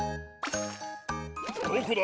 どこだ？